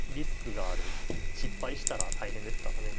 失敗したら大変ですからね。